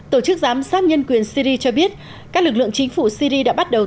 tổ chức giám sát nhân quyền syri cho biết các lực lượng chính phủ syri đã bắt đầu